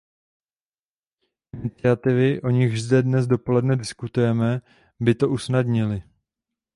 Iniciativy, o nichž zde dnes dopoledne diskutujeme, by to usnadnily.